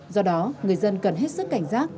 do đó người dân cần hết sức cảnh giác